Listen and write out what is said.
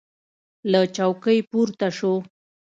له چوکۍ پورته سو.